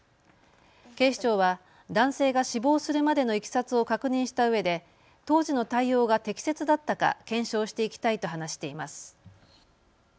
警視庁は男性が死亡するまでのいきさつを確認したうえで当時の対応が適切だったか検証していきたいと話しています。